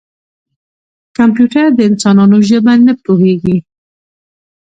کمپیوټر د انسانانو ژبه نه پوهېږي.